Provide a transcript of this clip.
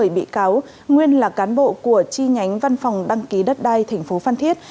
bảy bị cáo nguyên là cán bộ của chi nhánh văn phòng đăng ký đất đai tp phan thiết